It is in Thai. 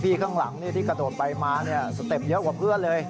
ข้างหลังที่กระโดดไปมาสเต็ปเยอะกว่าเพื่อนเลย